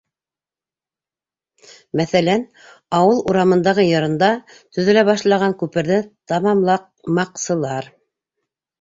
Мәҫәлән, ауыл урамындағы йырында төҙөлә башлаған күперҙе тамамламаҡсылар.